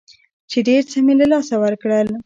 چې ډېر څه مې له لاسه ورکړل.